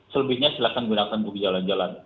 selebihnya silahkan gunakan untuk jalan jalan